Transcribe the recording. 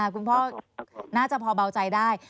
คุณพ่อน่าจะพอเบาใจได้